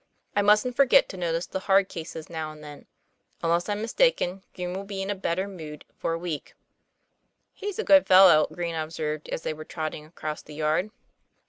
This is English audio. I mustn't forget to notice the hard cases now and then. Unless I'm mistaken, Green will be in a better mood for a week." 'He's a good fellow," Green observed, as they were trotting across the yard.